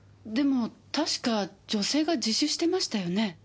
でも確か女性が自首してましたよね？